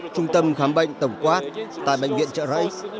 trung tâm khám bệnh tổng quát tại bệnh viện trợ rẫy